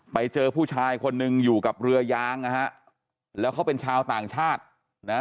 ไปเจอผู้ชายคนหนึ่งอยู่กับเรือยางนะฮะแล้วเขาเป็นชาวต่างชาตินะฮะ